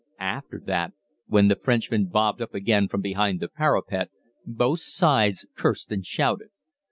After that, when the Frenchmen bobbed up again from behind the parapet, both sides cursed and shouted.